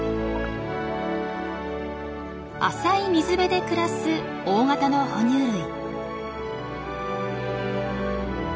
浅い水辺で暮らす大型の哺乳類。